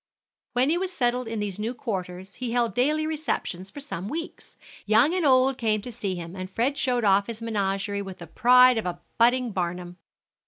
When he was settled in these new quarters he held daily receptions for some weeks. Young and old came to see him, and Fred showed off his menagerie with the pride of a budding Barnum.